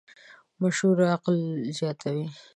مشوره عقل زیاتوې.